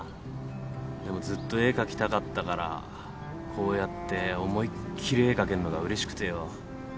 でもずっと絵描きたかったからこうやって思いっ切り絵描けんのがうれしくてよ。